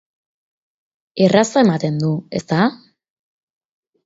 Erraza ematen du, ezta?